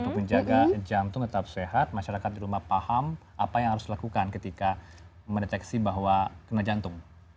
untuk menjaga jantung tetap sehat masyarakat di rumah paham apa yang harus dilakukan ketika mendeteksi bahwa kena jantung